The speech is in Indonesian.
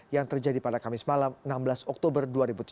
yang terjadi pada kamis malam enam belas oktober dua ribu tujuh belas